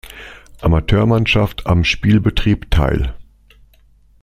Amateurmannschaft am Spielbetrieb teil.